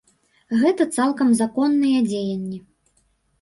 Гэта цалкам законныя дзеянні.